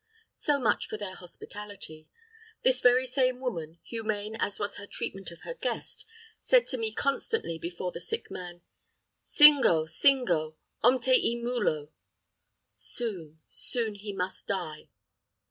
So much for their hospitality. This very same woman, humane as was her treatment of her guest said to me constantly before the sick man: "Singo, singo, homte hi mulo." "Soon, soon he must die!"